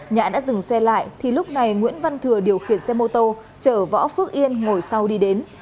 nhã đã dừng xe lại thì lúc này nguyễn văn thừa điều khiển xe mô tô chở võ phước yên ngồi sau đi đến